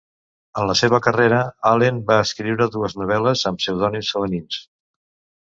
En la seva carrera, Allen va escriure dues novel·les amb pseudònims femenins.